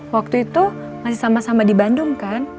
waktu itu masih sama sama di bandung kan